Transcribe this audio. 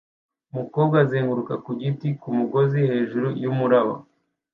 Umukobwa uzunguruka ku giti kumugozi hejuru yumuraba